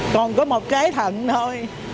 còn có một cái thận thôi